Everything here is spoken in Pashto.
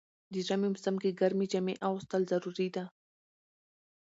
د ژمی موسم کی ګرمی جامی اغوستل ضروري ده.